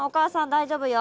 大丈夫よ。